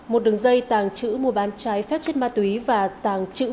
một đường dây tàng trữ mùa bán trái phép chết ma túy và tàng trữ vụ